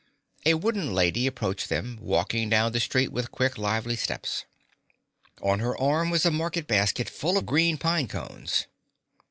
A wooden lady approached them, walking down the street with quick, lively steps. On her arm was a market basket full of green pine cones.